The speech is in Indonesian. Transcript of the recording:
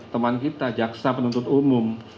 teman kita jaksa penuntut umum